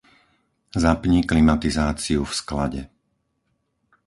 Zapni klimatizáciu v sklade.